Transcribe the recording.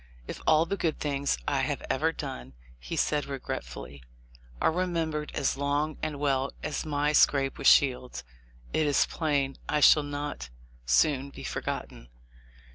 "If all the good things I have ever done," he said regretfully, "are remembered as long and well as my scrape with Shields, it is plain I shall not soon be forgotten."